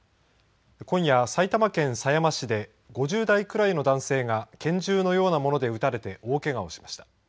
今夜、埼玉県狭山市で５０代くらいの男性が拳銃のようなもので撃たれて大けがをしました。